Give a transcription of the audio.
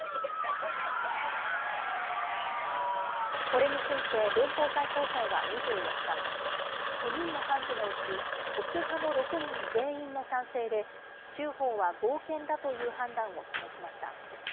これについて、連邦最高裁は２４日、９人の判事のうち、保守派の６人全員の賛成で、州法は合憲だという判断を示しました。